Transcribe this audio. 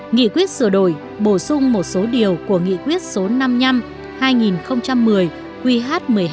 nghị quyết sửa đổi bổ sung một số điều của nghị quyết số năm mươi năm hai nghìn một mươi qh một mươi hai